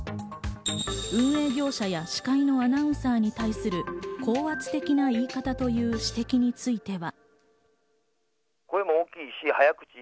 運営業者や司会のアナウンサーに対する高圧的な言い方という指摘については。